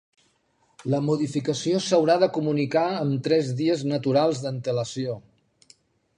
La modificació s'haurà de comunicar amb tres dies naturals d'antelació.